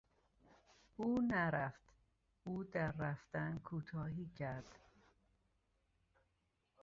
او نرفت، او در رفتن کوتاهی کرد.